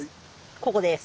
ここです。